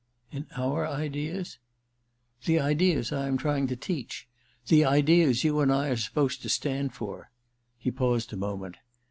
* In our ideas ?'' The ideas I am trying to teach. The ideas you and I are supposed to stand for.' He paused a moment.